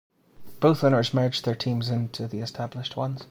Both owners merged their teams into the established ones.